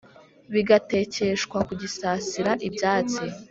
bigatekeshwa ku gisasira ibyatsi